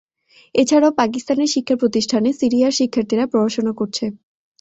এছাড়াও পাকিস্তানের শিক্ষাপ্রতিষ্ঠানে সিরিয়ার শিক্ষার্থীরা পড়াশোনা করছে।